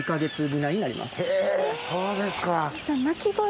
へぇそうですか。